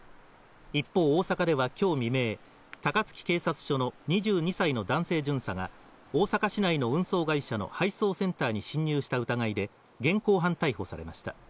一方、大阪では今日未明、高槻警察署の２２歳の男性巡査が、大阪市内の運送会社の配送センターに侵入した疑いで現行犯逮捕されました。